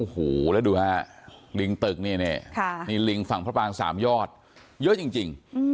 โอ้โหแล้วดูฮะลิงตึกนี่นี่ลิงฝั่งพระปางสามยอดเยอะจริง